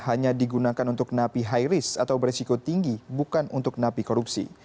hanya digunakan untuk napi high risk atau beresiko tinggi bukan untuk napi korupsi